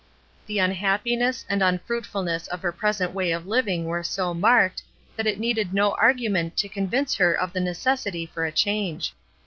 The unhappi ness and unfruitfukiess of her present way of living were so marked that it needed no argu ment to convince her of the necessity for a change.